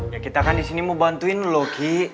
ya kita kan disini mau bantuin lo ki